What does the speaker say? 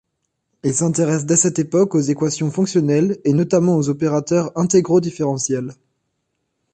Il s’intéresse dès cette époque aux équations fonctionnelles, et notamment aux opérateurs intégro-différentiels.